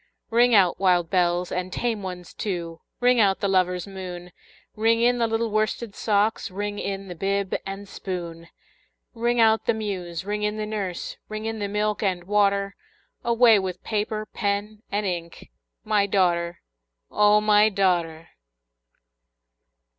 Ring out, wild bells, and tame ones too! Ring out the lover's moon! Ring in the little worsted socks! Ring in the bib and spoon! Ring out the muse! ring in the nurse! Ring in the milk and water! Away with paper, pen, and ink My daughter, O my daughter!